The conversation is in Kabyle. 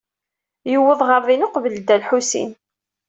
Yuweḍ ɣer din uqbel Dda Lḥusin.